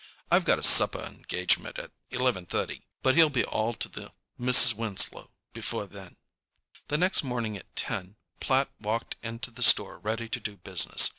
I've got a supper engagement at 11:30, but he'll be all to the Mrs. Winslow before then." The next morning at 10 Platt walked into the store ready to do business.